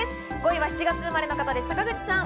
５位は７月生まれの方です、坂口さん。